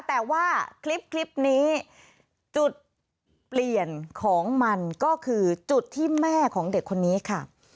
แต่ว่าคลิปนี้จุดเปลี่ยนของมันก็คือจุดที่แม่ของเด็กคนนี้ค่ะ